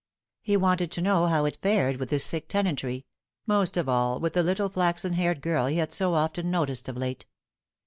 He wanted to know how it fared with his sick tenantry most of all with the little flaxen haired girl he had so often noticed of late.